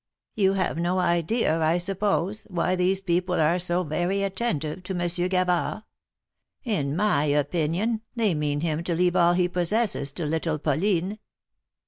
"You have no idea, I suppose, why these people are so very attentive to Monsieur Gavard. In my opinion, they mean him to leave all he possesses to little Pauline."